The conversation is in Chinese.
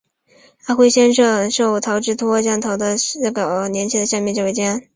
阿辉先生受陶之托将陶的诗稿和年轻时的相片交给建安。